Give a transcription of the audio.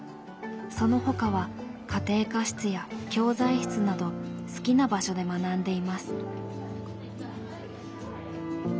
そのほかは家庭科室や教材室など好きな場所で学んでいます。